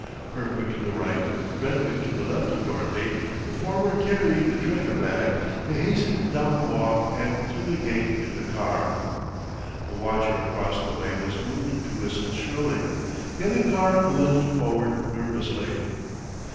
Kirkwood to the right, Brentwick to the left of Dorothy, the former carrying the treasure bag, they hastened down the walk and through the gate to the car. The watcher across the way was moved to whistle shrilly; the other car lunged forward nervously.